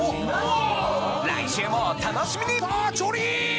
来週もお楽しみに！